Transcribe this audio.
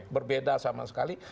berbeda sama sekali